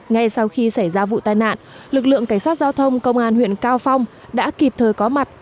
ngay sau khi xảy ra vụ tai nạn lực lượng cảnh sát giao thông công an huyện cao phong đã kịp thời có mặt